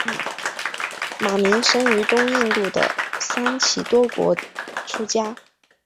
马鸣生于东印度的桑岐多国出家。